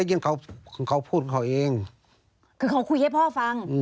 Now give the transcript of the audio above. ได้ยินเขาเขาพูดเขาเองคือเขาคุยให้พ่อฟังอืม